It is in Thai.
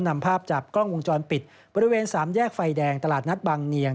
นำภาพจากกล้องวงจรปิดบริเวณสามแยกไฟแดงตลาดนัดบางเนียง